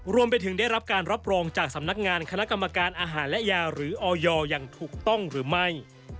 รวมไปถึงได้รับการรับรองจากสำนักงานคณะกรรมการอาหารและยาหรือออยอย่างถูกต้องหรือไม่